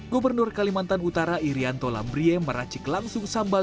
gubernur kalimantan utara irianto lambrie meracik langsung sambal